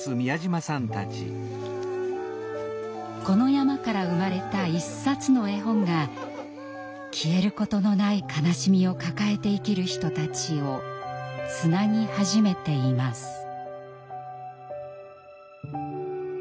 この山から生まれた一冊の絵本が消えることのない悲しみを抱えて生きる人たちをつなぎ始めています。